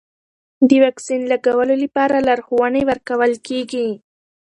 د واکسین لګولو لپاره لارښوونې ورکول کېږي.